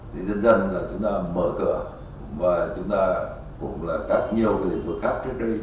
thì dân dân chúng ta mở cửa và chúng ta cũng là các nhiều lĩnh vực khác trước đây